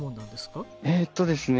えっとですね